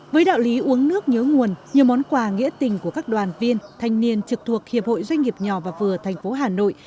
với đạo lý uống nước nhớ nguồn nhiều món quà nghĩa tình của các đoàn viên thanh niên trực thuộc hiệp hội doanh nghiệp nhỏ và vừa tp hà nội